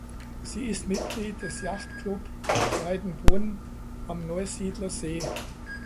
Sie ist Mitglied des Yacht Club Breitenbrunn am Neusiedler See.